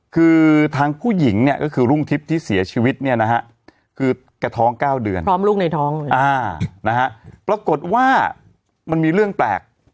คือทางผู้หญิงเนี่ยก็คือรุ่งทิพย์ที่เสียชีวิตเนี่ยนะฮะคือแกท้อง๙เดือนพร้อมลูกในท้องเลยนะฮะปรากฏว่ามันมีเรื่องแปลก